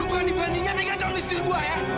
lu bukan ikutannya pegang jam listrik gua ya